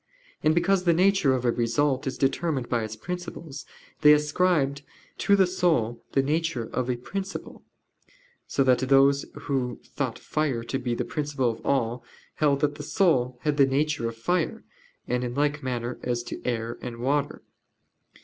And because the nature of a result is determined by its principles, they ascribed to the soul the nature of a principle; so that those who thought fire to be the principle of all, held that the soul had the nature of fire; and in like manner as to air and water.